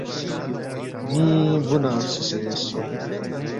ن٘ی بُو نہ فسُوسے سونگ